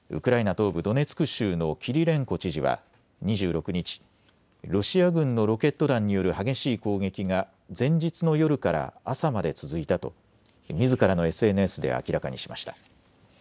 東部ドネツク州のキリレンコ知事は２６日ロシア軍のロケット弾による激しい攻撃が前日の夜から朝まで続いたとみずからのＳＮＳで明らかにしました。